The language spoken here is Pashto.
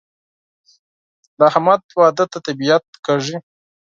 د احمد واده ته طبیعت کېږي.